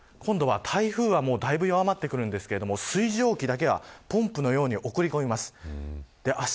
午前０時以降、今度は台風はだいぶ弱まってくるんですけれども水蒸気だけはポンプのように送り込まれます。